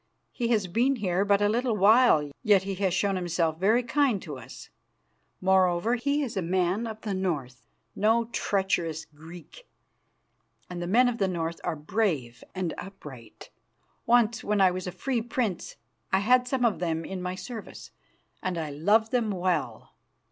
He has been here but a little while, yet he has shown himself very kind to us. Moreover, he is a man of the North, no treacherous Greek, and the men of the North are brave and upright. Once, when I was a free prince, I had some of them in my service, and I loved them well.